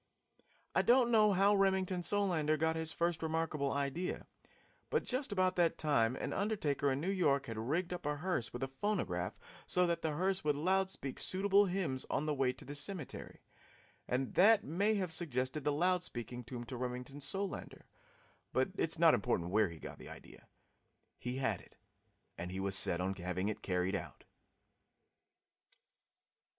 I don't know how Remington Solander first got his remarkable idea, but just about that time an undertaker in New York had rigged up a hearse with a phonograph so that the hearse would loud speak suitable hymns on the way to the cemetery, and that may have suggested the loud speaking tomb to Remington Solander, but it is not important where he got the idea. He had it, and he was set on having it carried out.